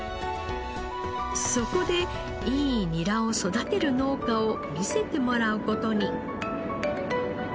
そこでいいニラを育てる農家を見せてもらう事に。